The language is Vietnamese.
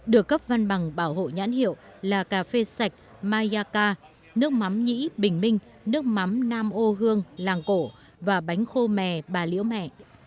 được cấp văn bằng bảo hộ nhãn hiệu là cà phê sạch mai yaka nước mắm nhĩ bình minh nước mắm nam ô hương làng cổ và bánh khô mè bà liễu mẹ